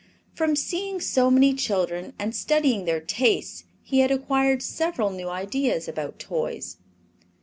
From seeing so many children and studying their tastes he had acquired several new ideas about toys.